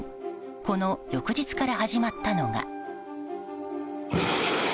この翌日から始まったのが。